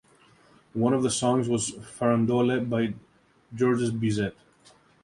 One of the songs was "Farandole" by Georges Bizet.